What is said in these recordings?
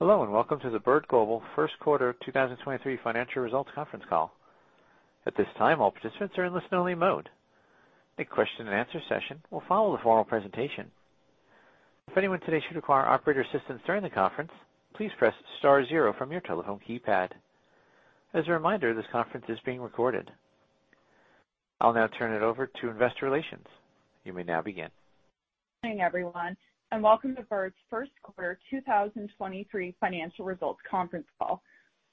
Hello, welcome to the Bird Global First Quarter 2023 Financial Results Conference Call. At this time, all participants are in listen-only mode. A question-and-answer session will follow the formal presentation. If anyone today should require operator assistance during the conference, please press star zero from your telephone keypad. As a reminder, this conference is being recorded. I'll now turn it over to investor relations. You may now begin. Good morning, everyone, and welcome to Bird first quarter 2023 financial results conference call.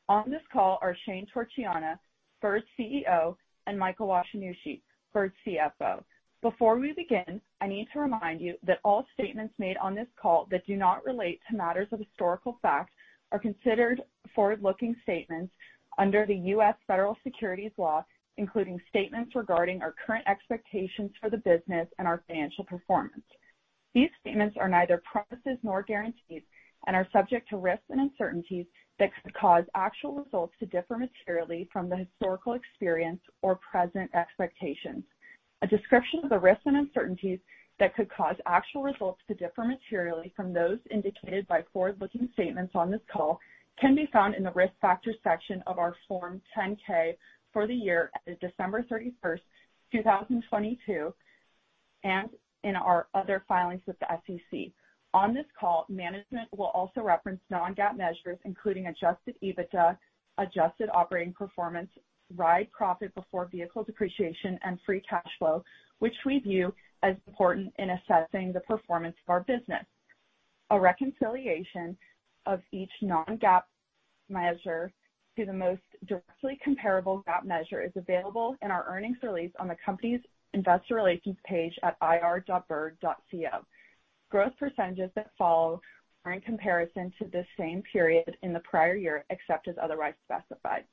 On this call are Shane Torchiana, Bird's CEO, and Michael Washinushi, Bird's CFO. Before we begin, I need to remind you that all statements made on this call that do not relate to matters of historical fact are considered forward-looking statements under the U.S. federal securities laws, including statements regarding our current expectations for the business and our financial performance. These statements are neither promises nor guarantees and are subject to risks and uncertainties that could cause actual results to differ materially from the historical experience or present expectations. A description of the risks and uncertainties that could cause actual results to differ materially from those indicated by forward-looking statements on this call can be found in the Risk Factors section of our Form 10-K for the year ended December 31st, 2022, and in our other filings with the SEC. On this call, management will also reference non-GAAP measures, including adjusted EBITDA, adjusted operating expenses, Ride Profit before Vehicle Depreciation, and free cash flow, which we view as important in assessing the performance of our business. A reconciliation of each non-GAAP measure to the most directly comparable GAAP measure is available in our earnings release on the company's investor relations page at ir.bird.co. Growth percentages that follow are in comparison to the same period in the prior year, except as otherwise specified.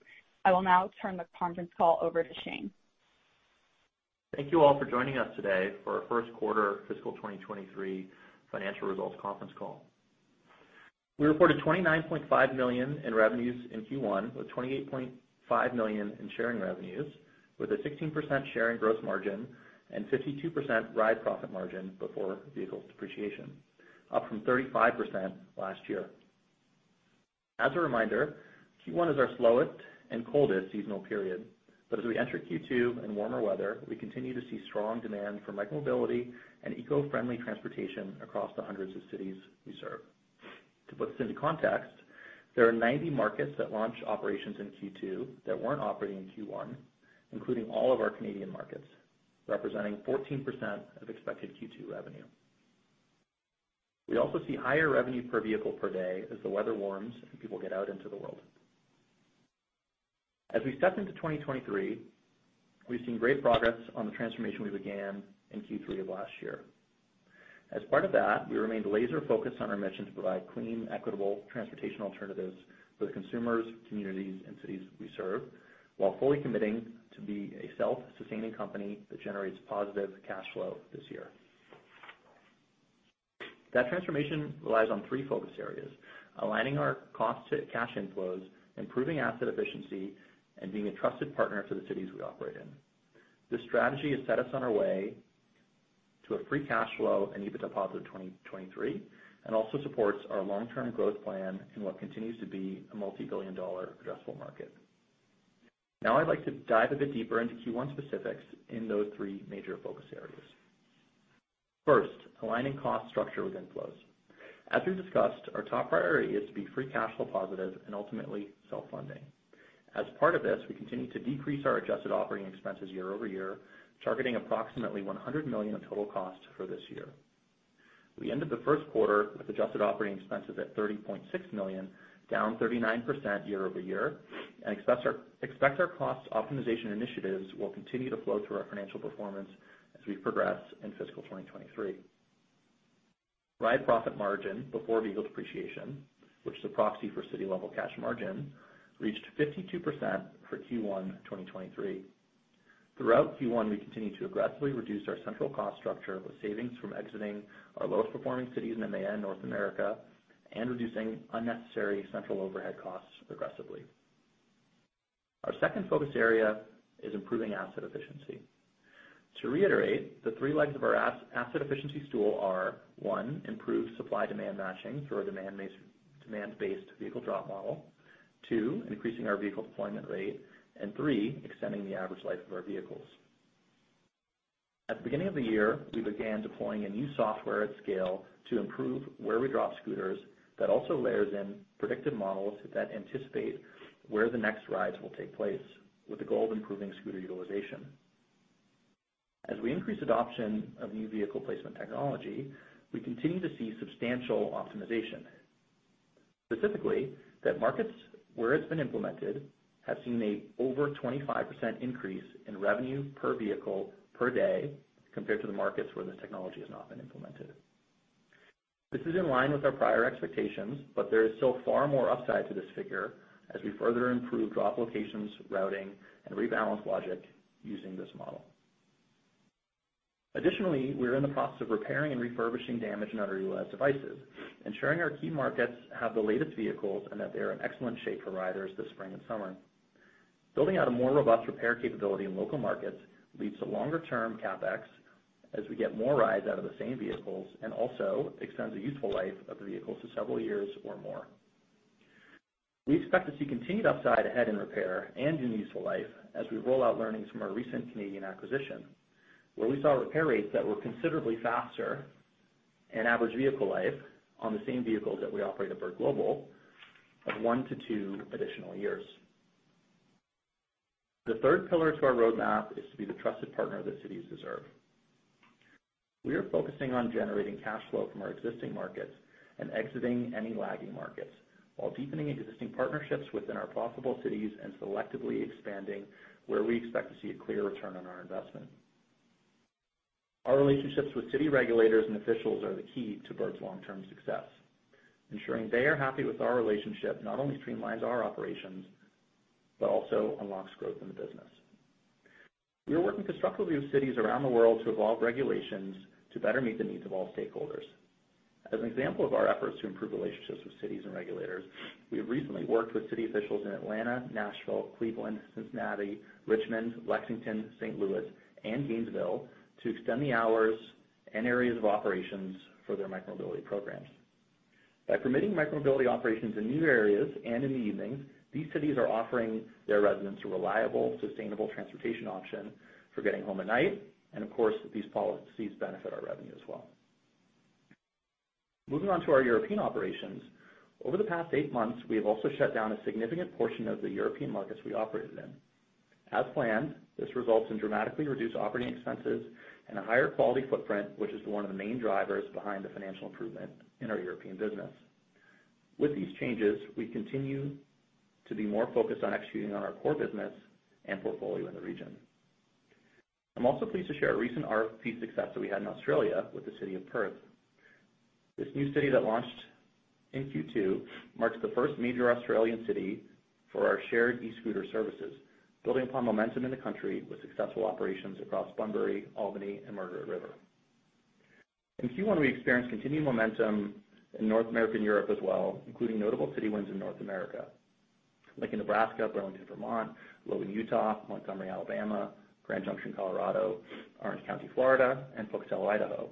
I will now turn the conference call over to Shane. Thank you all for joining us today for our first quarter fiscal 2023 financial results conference call. We reported $29.5 million in revenues in Q1, with $28.5 million in sharing revenues, with a 16% sharing gross margin and 52% Ride Profit before Vehicle Depreciation, up from 35% last year. A reminder, Q1 is our slowest and coldest seasonal period. As we enter Q2 and warmer weather, we continue to see strong demand for micro-mobility and eco-friendly transportation across the hundreds of cities we serve. To put this into context, there are 90 markets that launch operations in Q2 that weren't operating in Q1, including all of our Canadian markets, representing 14% of expected Q2 revenue. We also see higher revenue per vehicle per day as the weather warms and people get out into the world. As we step into 2023, we've seen great progress on the transformation we began in Q3 of last year. As part of that, we remained laser-focused on our mission to provide clean, equitable transportation alternatives for the consumers, communities, and cities we serve, while fully committing to be a self-sustaining company that generates positive cash flow this year. That transformation relies on three focus areas: aligning our cost to cash inflows, improving asset efficiency, and being a trusted partner to the cities we operate in. This strategy has set us on our way to a free cash flow and EBITDA positive 2023, and also supports our long-term growth plan in what continues to be a multi-billion dollar addressable market. I'd like to dive a bit deeper into Q1 specifics in those three major focus areas. First, aligning cost structure with inflows. Part of this, we continue to decrease our adjusted operating expenses year-over-year, targeting approximately $100 million of total costs for this year. We ended the first quarter with adjusted operating expenses at $30.6 million, down 39% year-over-year, expect our cost optimization initiatives will continue to flow through our financial performance as we progress in fiscal 2023. Ride Profit before Vehicle Depreciation, which is a proxy for city-level cash margin, reached 52% for Q1 2023. Throughout Q1, we continued to aggressively reduce our central cost structure with savings from exiting our lowest-performing cities in MA and North America and reducing unnecessary central overhead costs aggressively. Our second focus area is improving asset efficiency. To reiterate, the three legs of our as-asset efficiency stool are, one, improve supply-demand matching through our demand-based vehicle drop model. two, increasing our vehicle deployment rate. three, extending the average life of our vehicles. At the beginning of the year, we began deploying a new software at scale to improve where we drop scooters that also layers in predictive models that anticipate where the next rides will take place, with the goal of improving scooter utilization. As we increase adoption of new vehicle placement technology, we continue to see substantial optimization. Specifically, that markets where it's been implemented have seen a over 25% increase in revenue per vehicle per day compared to the markets where this technology has not been implemented. This is in line with our prior expectations, there is still far more upside to this figure as we further improve drop locations, routing, and rebalance logic using this model. Additionally, we are in the process of repairing and refurbishing damaged and underutilized devices, ensuring our key markets have the latest vehicles and that they are in excellent shape for riders this spring and summer. Building out a more robust repair capability in local markets leads to longer term CapEx as we get more rides out of the same vehicles and also extends the useful life of the vehicles to several years or more. We expect to see continued upside ahead in repair and in useful life as we roll out learnings from our recent Canadian acquisition, where we saw repair rates that were considerably faster and average vehicle life on the same vehicles that we operate at Bird Global of one to two additional years. The third pillar to our roadmap is to be the trusted partner that cities deserve. We are focusing on generating cash flow from our existing markets and exiting any lagging markets while deepening existing partnerships within our profitable cities and selectively expanding where we expect to see a clear return on our investment. Our relationships with city regulators and officials are the key to Bird's long-term success. Ensuring they are happy with our relationship not only streamlines our operations, but also unlocks growth in the business. We are working constructively with cities around the world to evolve regulations to better meet the needs of all stakeholders. As an example of our efforts to improve relationships with cities and regulators, we have recently worked with city officials in Atlanta, Nashville, Cleveland, Cincinnati, Richmond, Lexington, St. Louis, and Gainesville to extend the hours and areas of operations for their micro-mobility programs. By permitting micro-mobility operations in new areas and in the evenings, these cities are offering their residents a reliable, sustainable transportation option for getting home at night, and of course, these policies benefit our revenue as well. Moving on to our European operations. Over the past eight months, we have also shut down a significant portion of the European markets we operated in. As planned, this results in dramatically reduced operating expenses and a higher quality footprint, which is one of the main drivers behind the financial improvement in our European business. With these changes, we continue to be more focused on executing on our core business and portfolio in the region. I'm also pleased to share a recent RFP success that we had in Australia with the city of Perth. This new city that launched in Q2 marks the first major Australian city for our shared e-scooter services, building upon momentum in the country with successful operations across Bunbury, Albany, and Margaret River. In Q1, we experienced continued momentum in North America and Europe as well, including notable city wins in North America like in Nebraska, Burlington, Vermont, Logan, Utah, Montgomery, Alabama, Grand Junction, Colorado, Orange County, Florida, and Pocatello, Idaho.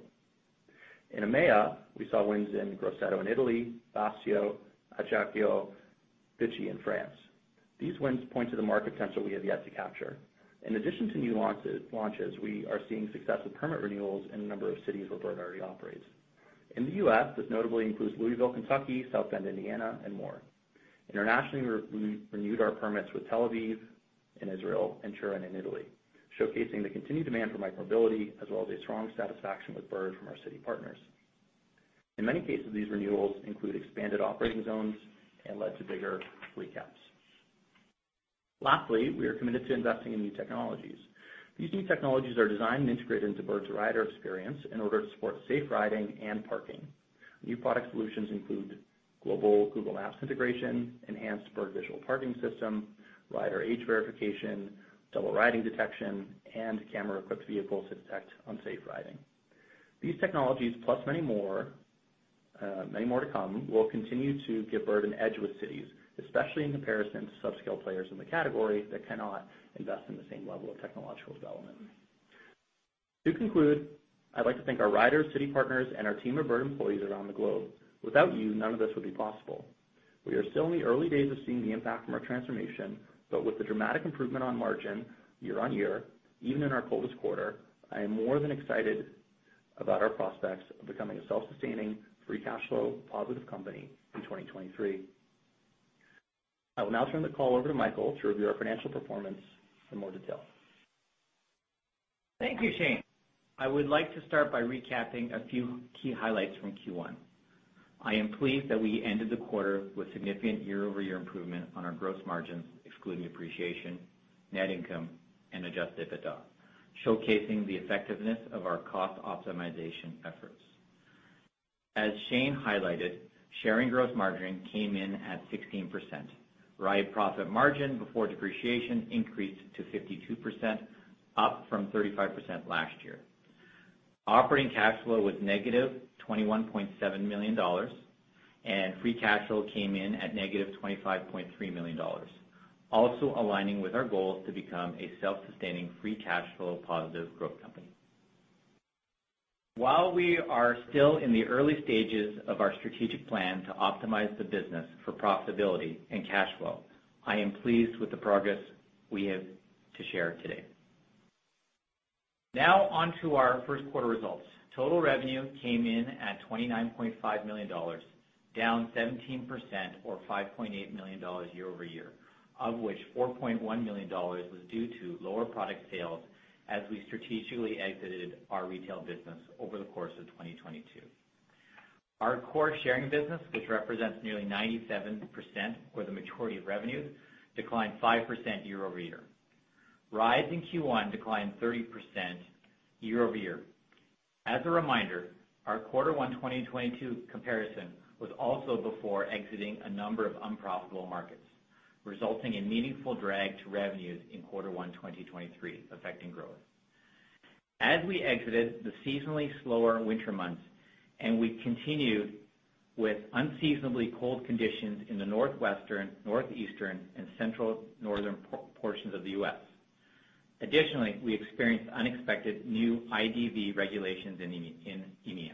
In EMEA, we saw wins in Grosseto in Italy, Bastia, Ajaccio, Vichy in France. These wins point to the market potential we have yet to capture. In addition to new launches, we are seeing success with permit renewals in a number of cities where Bird already operates. In the U.S., this notably includes Louisville, Kentucky, South Bend, Indiana, and more. Internationally, we renewed our permits with Tel Aviv in Israel and Turin in Italy, showcasing the continued demand for micromobility as well as a strong satisfaction with Bird from our city partners. In many cases, these renewals include expanded operating zones and led to bigger fleet caps. Lastly, we are committed to investing in new technologies. These new technologies are designed and integrated into Bird's rider experience in order to support safe riding and parking. New product solutions include global Google Maps integration, enhanced Bird Visual Parking System, Rider Age Verification, Double Riding Detection, and camera-equipped vehicles to detect unsafe riding. These technologies, plus many more, many more to come, will continue to give Bird an edge with cities, especially in comparison to subscale players in the category that cannot invest in the same level of technological development. To conclude, I'd like to thank our riders, city partners, and our team of Bird employees around the globe. Without you, none of this would be possible. We are still in the early days of seeing the impact from our transformation, but with the dramatic improvement on margin year-on-year, even in our coldest quarter, I am more than excited about our prospects of becoming a self-sustaining, free cash flow positive company in 2023. I will now turn the call over to Michael to review our financial performance in more detail. Thank you, Shane. I would like to start by recapping a few key highlights from Q1. I am pleased that we ended the quarter with significant year-over-year improvement on our gross margins, excluding appreciation, net income, and adjusted EBITDA, showcasing the effectiveness of our cost optimization efforts. As Shane highlighted, sharing gross margining came in at 16%, Ride Profit margin before Vehicle Depreciation increased to 52%, up from 35% last year. Operating cash flow was negative $21.7 million, and free cash flow came in at negative $25.3 million, also aligning with our goal to become a self-sustaining, free cash flow positive growth company. While we are still in the early stages of our strategic plan to optimize the business for profitability and cash flow, I am pleased with the progress we have to share today. Now on to our first quarter results. Total revenue came in at $29.5 million, down 17% or $5.8 million year-over-year, of which $4.1 million was due to lower product sales as we strategically exited our retail business over the course of 2022. Our core sharing business, which represents nearly 97% or the majority of revenues, declined 5% year-over-year. Rides in Q1 declined 30% year-over-year. As a reminder, our Q1 2022 comparison was also before exiting a number of unprofitable markets, resulting in meaningful drag to revenues in Q1 2023 affecting growth. We exited the seasonally slower winter months and we continued with unseasonably cold conditions in the northwestern, northeastern, and central northern portions of the U.S. Additionally, we experienced unexpected new IDV regulations in EMEA.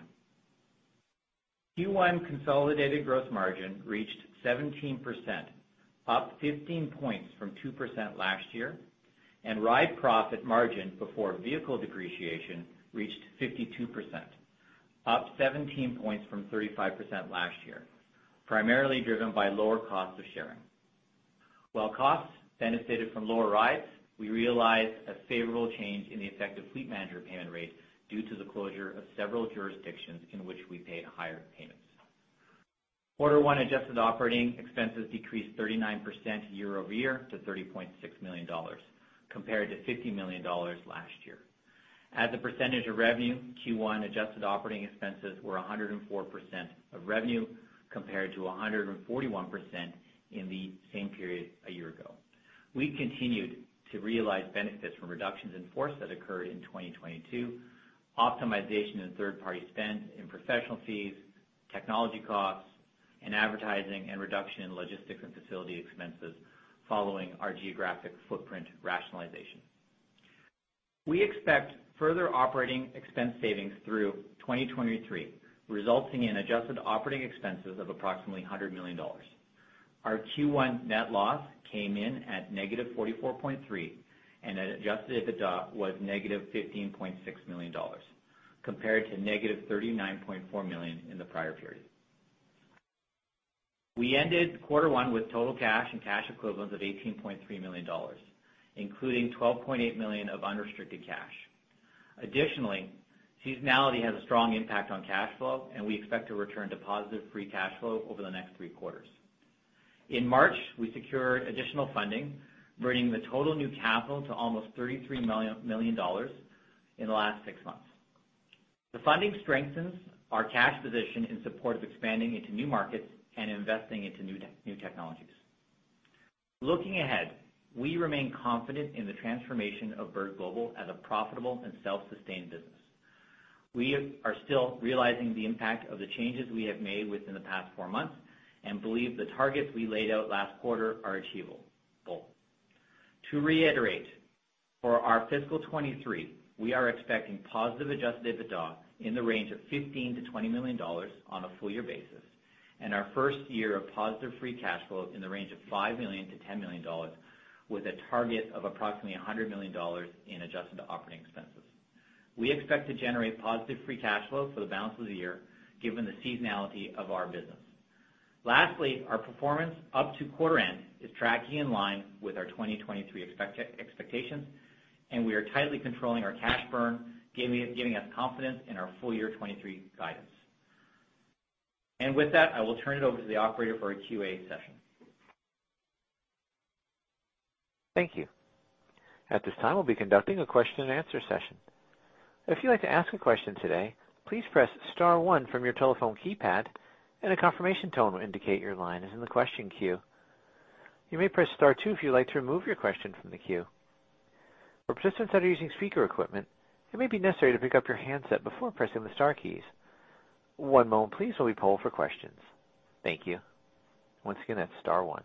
Q1 consolidated gross margin reached 17%, up 15 points from 2% last year, and Ride Profit before Vehicle Depreciation margin reached 52%, up 17 points from 35% last year, primarily driven by lower cost of sharing. While costs benefited from lower rides, we realized a favorable change in the effective fleet manager payment rate due to the closure of several jurisdictions in which we paid higher payments. Q1 adjusted operating expenses decreased 39% year-over-year to $30.6 million compared to $50 million last year. As a percentage of revenue, Q1 adjusted operating expenses were 104% of revenue compared to 141% in the same period a year ago. We continued to realize benefits from reductions in force that occurred in 2022, optimization in third-party spend in professional fees, technology costs and advertising and reduction in logistics and facility expenses following our geographic footprint rationalization. We expect further operating expense savings through 2023, resulting in adjusted operating expenses of approximately $100 million. Our Q1 net loss came in at negative $44.3 million and adjusted EBITDA was negative $15.6 million compared to negative $39.4 million in the prior period. We ended quarter one with total cash and cash equivalents of $18.3 million, including $12.8 million of unrestricted cash. Seasonality has a strong impact on cash flow, and we expect to return to positive free cash flow over the next three quarters. In March, we secured additional funding, bringing the total new capital to almost $33 million in the last six months. The funding strengthens our cash position in support of expanding into new markets and investing into new technologies. Looking ahead, we remain confident in the transformation of Bird Global as a profitable and self-sustained business. We are still realizing the impact of the changes we have made within the past four months and believe the targets we laid out last quarter are achievable. To reiterate, for our fiscal 2023, we are expecting positive adjusted EBITDA in the range of $15 million-$20 million on a full year basis, and our first year of positive free cash flow in the range of $5 million-$10 million with a target of approximately $100 million in adjusted operating expenses. We expect to generate positive free cash flow for the balance of the year given the seasonality of our business. Lastly, our performance up to quarter end is tracking in line with our 2023 expectations, and we are tightly controlling our cash burn, giving us confidence in our full year 2023 guidance. With that, I will turn it over to the operator for our QA session. Thank you. At this time, we'll be conducting a question-and-answer session. If you'd like to ask a question today, please press star one from your telephone keypad and a confirmation tone will indicate your line is in the question queue. You may press star two if you'd like to remove your question from the queue. For participants that are using speaker equipment, it may be necessary to pick up your handset before pressing the star keys. One moment please while we poll for questions. Thank you. Once again, that's star one.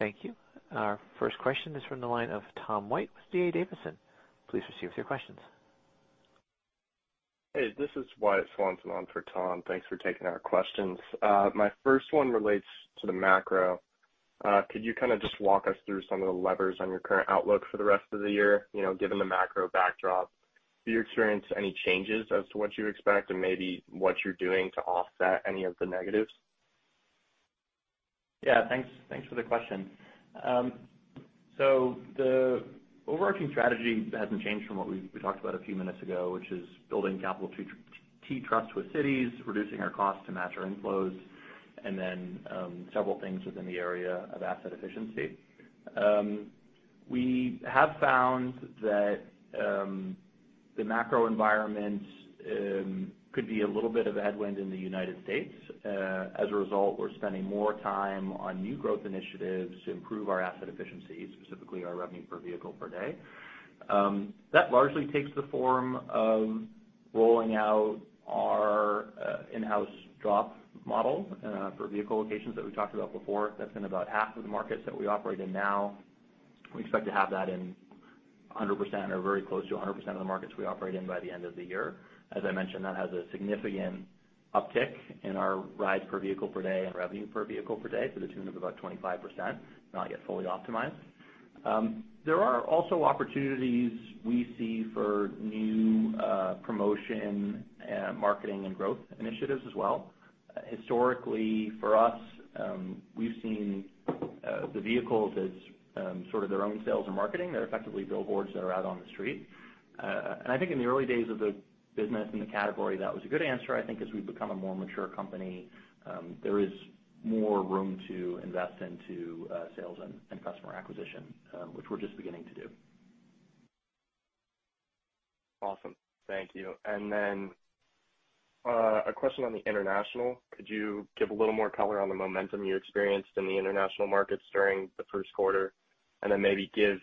Thank you. Our first question is from the line of Tom White with D.A. Davidson. Please proceed with your questions. Hey, this is Wyatt Swanson on for Tom. Thanks for taking our questions. My first one relates to the macro. Could you kind of just walk us through some of the levers on your current outlook for the rest of the year? You know, given the macro backdrop, do you experience any changes as to what you expect and maybe what you're doing to offset any of the negatives? Yeah. Thanks, thanks for the question. The overarching strategy hasn't changed from what we talked about a few minutes ago, which is building capital to trust with cities, reducing our costs to match our inflows, and then several things within the area of asset efficiency. We have found that the macro environment could be a little bit of a headwind in the United States. As a result, we're spending more time on new growth initiatives to improve our asset efficiency, specifically our revenue per vehicle per day. That largely takes the form of rolling out our in-house drop model for vehicle locations that we talked about before. That's in about half of the markets that we operate in now. We expect to have that in 100% or very close to 100% of the markets we operate in by the end of the year. As I mentioned, that has a significant uptick in our rides per vehicle per day and revenue per vehicle per day to the tune of about 25%, not yet fully optimized. There are also opportunities we see for new promotion and marketing and growth initiatives as well. Historically, for us, we've seen the vehicles as sort of their own sales and marketing. They're effectively billboards that are out on the street. I think in the early days of the business and the category, that was a good answer. I think as we've become a more mature company, there is more room to invest into sales and customer acquisition, which we're just beginning to do. Awesome. Thank you. A question on the international. Could you give a little more color on the momentum you experienced in the international markets during the first quarter? Maybe give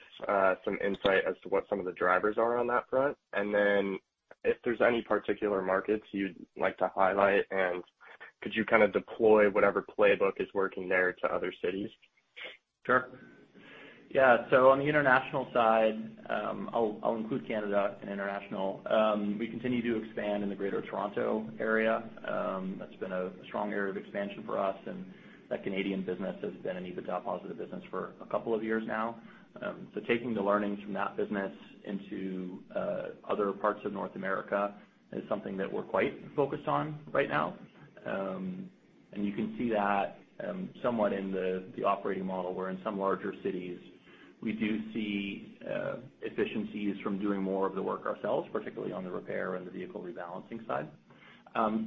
some insight as to what some of the drivers are on that front. If there's any particular markets you'd like to highlight, could you kind of deploy whatever playbook is working there to other cities? Sure. Yeah. I'll include Canada in international. We continue to expand in the Greater Toronto Area. That's been a strong area of expansion for us, and that Canadian business has been an EBITDA-positive business for a couple of years now. Taking the learnings from that business into other parts of North America is something that we're quite focused on right now. And you can see that somewhat in the operating model where in some larger cities we do see efficiencies from doing more of the work ourselves, particularly on the repair and the vehicle rebalancing side.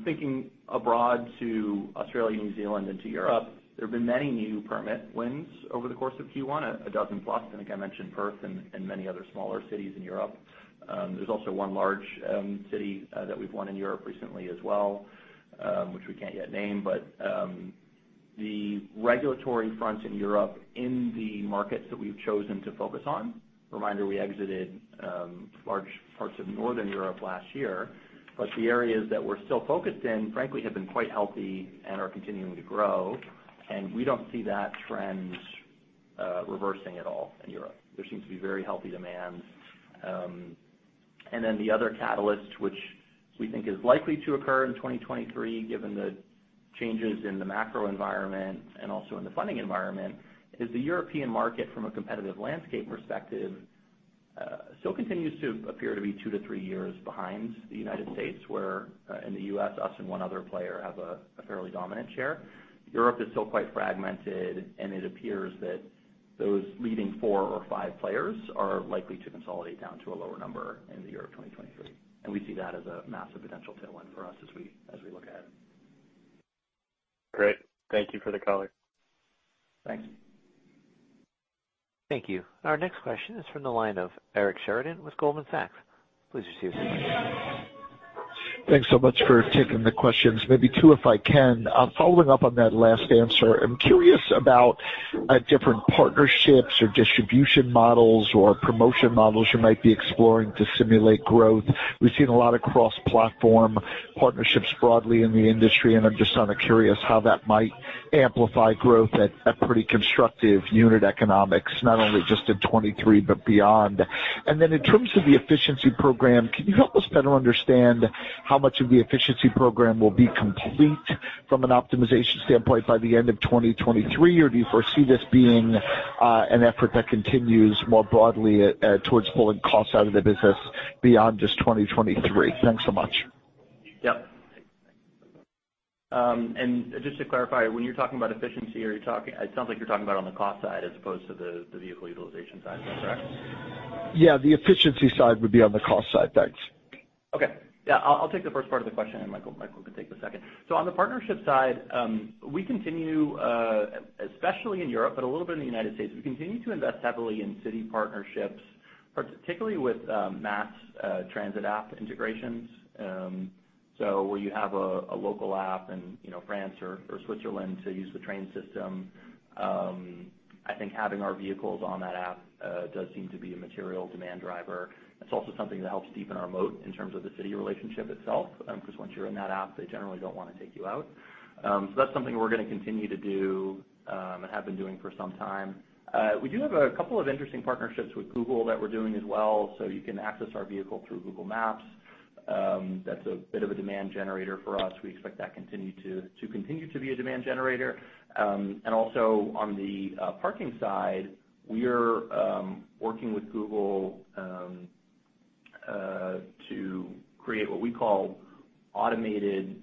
Thinking abroad to Australia, New Zealand into Europe, there have been many new permit wins over the course of Q1, a dozen-plus, I think I mentioned Perth and many other smaller cities in Europe. There's also one large city that we've won in Europe recently as well, which we can't yet name. The regulatory fronts in Europe in the markets that we've chosen to focus on, reminder, we exited large parts of Northern Europe last year. The areas that we're still focused in, frankly, have been quite healthy and are continuing to grow, and we don't see that trend reversing at all in Europe. There seems to be very healthy demand. The other catalyst, which we think is likely to occur in 2023, given the changes in the macro environment and also in the funding environment, is the European market from a competitive landscape perspective, still continues to appear two to three years behind the United States, where, in the U.S., us and one other player have a fairly dominant share. Europe is still quite fragmented, and it appears that those leading four or five players are likely to consolidate down to a lower number in the year of 2023. We see that as a massive potential tailwind for us as we look ahead. Great. Thank you for the color. Thanks. Thank you. Our next question is from the line of Eric Sheridan with Goldman Sachs. Please receive your question. Thanks so much for taking the questions. Maybe two, if I can. Following up on that last answer, I'm curious about different partnerships or distribution models or promotion models you might be exploring to simulate growth. We've seen a lot of cross-platform partnerships broadly in the industry, and I'm just kinda curious how that might amplify growth at a pretty constructive unit economics, not only just in 2023 but beyond. Then in terms of the efficiency program, can you help us better understand how much of the efficiency program will be complete from an optimization standpoint by the end of 2023? Or do you foresee this being an effort that continues more broadly towards pulling costs out of the business beyond just 2023? Thanks so much. Yep. Just to clarify, when you're talking about efficiency, it sounds like you're talking about on the cost side as opposed to the vehicle utilization side. Is that correct? Yeah. The efficiency side would be on the cost side. Thanks. Okay. Yeah. I'll take the first part of the question and Michael can take the second. On the partnership side, we continue, especially in Europe, but a little bit in the United States, we continue to invest heavily in city partnerships, particularly with mass transit app integrations. Where you have a local app in, you know, France or Switzerland to use the train system. I think having our vehicles on that app does seem to be a material demand driver. It's also something that helps deepen our moat in terms of the city relationship itself, 'cause once you're in that app, they generally don't wanna take you out. That's something we're gonna continue to do and have been doing for some time. We do have a couple of interesting partnerships with Google that we're doing as well, so you can access our vehicle through Google Maps. That's a bit of a demand generator for us. We expect that continue to be a demand generator. Also on the parking side, we're working with Google to create what we call automated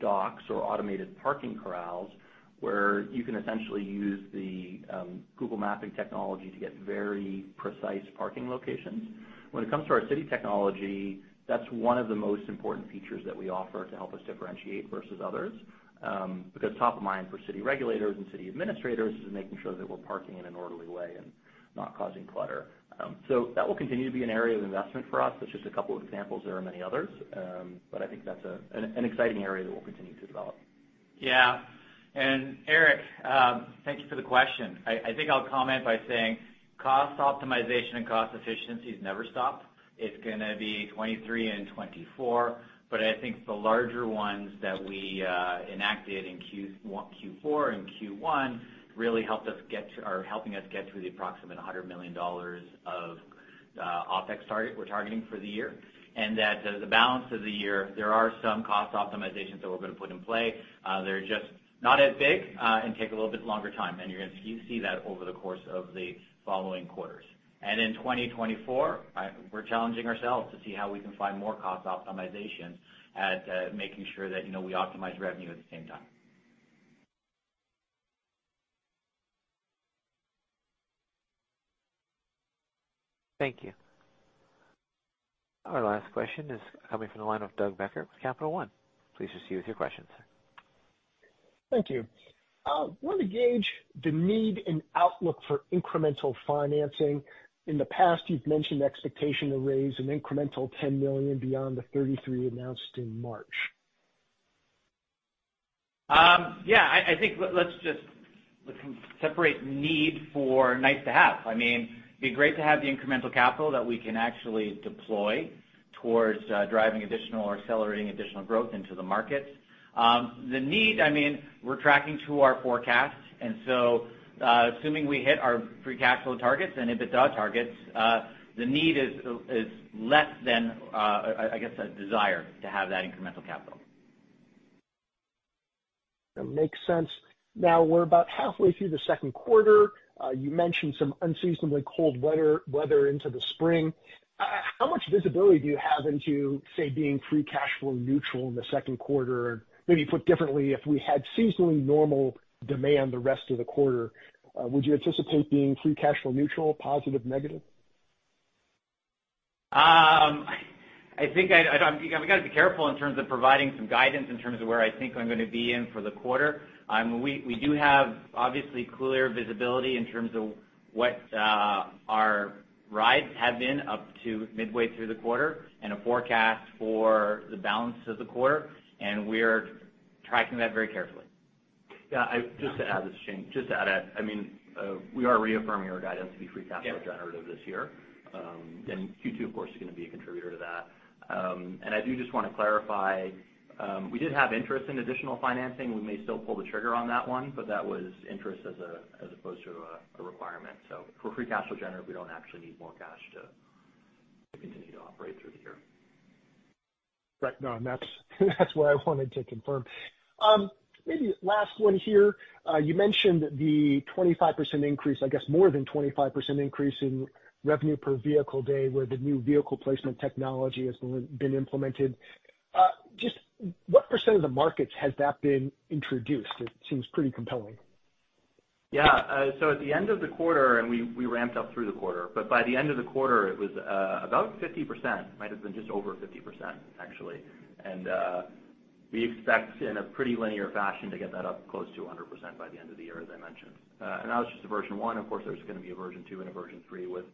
docks or automated parking corrals, where you can essentially use the Google mapping technology to get very precise parking locations. When it comes to our city technology, that's one of the most important features that we offer to help us differentiate versus others, because top of mind for city regulators and city administrators is making sure that we're parking in an orderly way and not causing clutter. That will continue to be an area of investment for us. That's just a couple of examples. There are many others. I think that's an exciting area that we'll continue to develop. Yeah. Eric, thank you for the question. I think I'll comment by saying cost optimization and cost efficiencies never stop. It's gonna be 2023 and 2024, but I think the larger ones that we enacted in Q4 and Q1 really helped us get or helping us get to the approximate $100 million of OpEx target we're targeting for the year. That, the balance of the year, there are some cost optimizations that we're gonna put in play. They're just not as big, and take a little bit longer time, and you're gonna see that over the course of the following quarters. In 2024, we're challenging ourselves to see how we can find more cost optimization at, making sure that, you know, we optimize revenue at the same time. Thank you. Our last question is coming from the line of Doug Becker with Capital One. Please proceed with your question, sir. Thank you. Want to gauge the need and outlook for incremental financing. In the past, you've mentioned expectation to raise an incremental $10 million beyond the $33 million announced in March. Yeah. I think let's just separate need for nice to have. I mean, it'd be great to have the incremental capital that we can actually deploy towards driving additional or accelerating additional growth into the market. The need, I mean, we're tracking to our forecast. Assuming we hit our free cash flow targets, and EBITDA targets, the need is less than I guess a desire to have that incremental capital. That makes sense. Now we're about halfway through the second quarter. you mentioned some unseasonably cold weather into the spring. how much visibility do you have into, say, being free cash flow neutral in the second quarter? Maybe put differently, if we had seasonally normal demand the rest of the quarter, would you anticipate being free cash flow neutral, positive, negative? I think I, we gotta be careful in terms of providing some guidance in terms of where I'm gonna be in for the quarter. We do have obviously clearer visibility in terms of what our rides have been up to midway through the quarter and a forecast for the balance of the quarter. We're tracking that very carefully. Yeah, I just to add, this is Shane. Just to add, I mean, we are reaffirming our guidance to be free cash flow generative this year. Q2, of course, is gonna be a contributor to that. I do just wanna clarify, we did have interest in additional financing. We may still pull the trigger on that one, but that was interest as opposed to a requirement. For free cash flow generative, we don't actually need more cash to Right. No, that's what I wanted to confirm. Maybe last one here. You mentioned the 25% increase, I guess more than 25% increase in revenue per vehicle day where the new vehicle placement technology has been implemented. Just what percent of the markets has that been introduced? It seems pretty compelling. Yeah, at the end of the quarter, and we ramped up through the quarter, but by the end of the quarter, it was about 50%. Might have been just over 50%, actually. We expect in a pretty linear fashion to get that up close to 100% by the end of the year, as I mentioned. That was just a version one. Of course, there's gonna be a version two and a version three with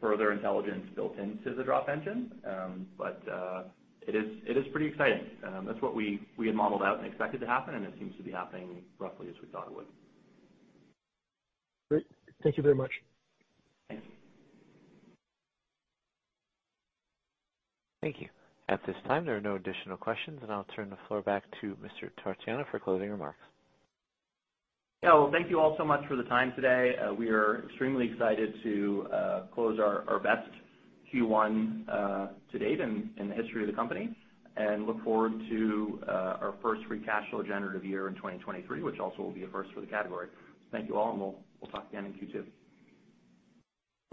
further intelligence built into the drop engine. It is pretty exciting. That's what we had modeled out and expected to happen, and it seems to be happening roughly as we thought it would. Great. Thank you very much. Thanks. Thank you. At this time, there are no additional questions, and I'll turn the floor back to Mr. Torchiana for closing remarks. Yeah. Well, thank you all so much for the time today. We are extremely excited to close our best Q1 to date in the history of the company and look forward to our first free cash flow generative year in 2023, which also will be a first for the category. Thank you all. We'll talk again in Q2.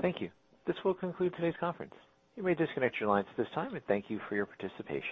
Thank you. This will conclude today's conference. You may disconnect your lines at this time, and thank you for your participation.